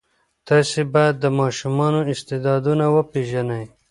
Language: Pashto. تاسې باید د ماشومانو استعدادونه وپېژنئ.